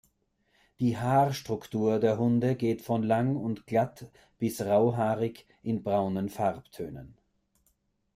Die Haarstruktur der Hunde geht von lang und glatt bis rauhaarig, in braunen Farbtönen.